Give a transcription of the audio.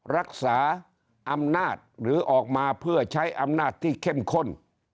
รักษาอำนาจหรือออกมาเพื่อใช้อำนาจที่เข้มข้น